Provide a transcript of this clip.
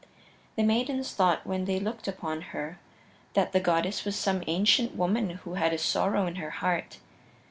The maidens thought when they looked upon her that the goddess was some ancient woman who had a sorrow in her heart.